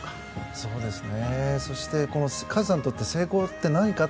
そうですね。